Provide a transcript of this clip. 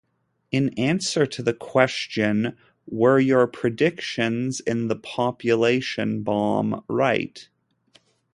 In answer to the question: Were your predictions in The Population Bomb right?